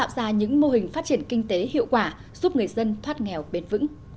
và những mô hình phát triển kinh tế hiệu quả giúp người dân thoát nghèo bền vững